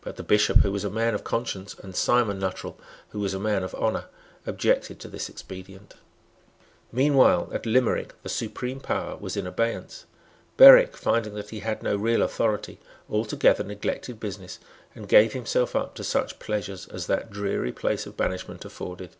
But the Bishop, who was a man of conscience, and Simon Luttrell, who was a man of honour, objected to this expedient. Meanwhile at Limerick the supreme power was in abeyance. Berwick, finding that he had no real authority, altogether neglected business, and gave himself up to such pleasures as that dreary place of banishment afforded.